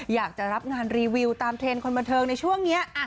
อยากจะรับงานรีวิวตามเทรนด์คนบันเทิงในช่วงนี้